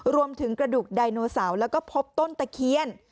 รวมถึงกระดูกไดโนเสาร์แล้วก็พบต้นตะเคียน